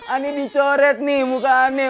ini dicoret nih muka aneh